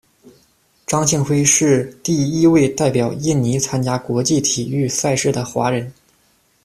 张庆辉是第一位代表印尼参加国际体育赛事的华人。